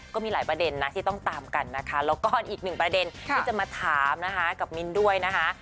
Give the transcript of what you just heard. ก็มีหลายประเด็นนะที่ต้องตามกันนะคะแล้วก็อีกหนึ่งประเด็นที่จะมาถามนะคะกับมิ้นด้วยนะคะ